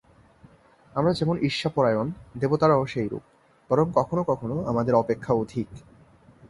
আমরা যেমন ঈর্ষাপরায়ণ, দেবতারাও সেইরূপ, বরং কখনও কখনও আমাদের অপেক্ষা অধিক।